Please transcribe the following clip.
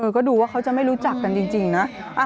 ก็ดูว่าเขาจะไม่รู้จักกันจริงนะ